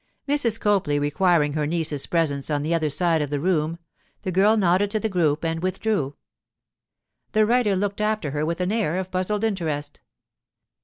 Mrs. Copley requiring her niece's presence on the other side of the room, the girl nodded to the group and withdrew. The writer looked after her with an air of puzzled interest.